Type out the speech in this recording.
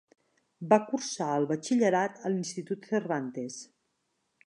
Va cursar el batxillerat a l'institut Cervantes.